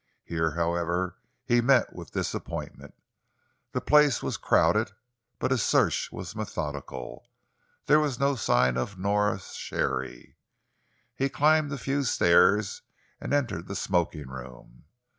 Here, however, he met with disappointment. The place was crowded but his search was methodical. There was no sign there of Nora Sharey. He climbed the few stairs and entered the smoking room.